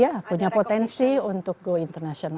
ya punya potensi untuk go international